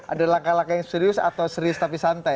ada laka laka yang serius atau serius tapi santai